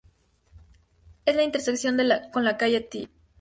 En la intersección con la calle Tte.